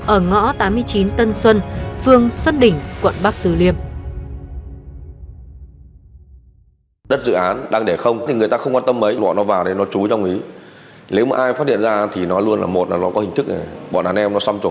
ở ngõ tám mươi chín tân xuân phường xuân đình quận bắc từ liêm